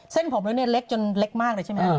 เส้นผมแล้วเนี่ยเล็กจนเล็กมากเลยใช่ไหม